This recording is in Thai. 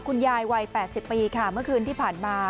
คุณยายวัย๘๐ปีค่ะเมื่อคืนที่ผ่านมา